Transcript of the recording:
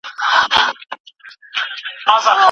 هیلې د خپلې مور د چایو بلنه په سر خوځولو سره رد کړه.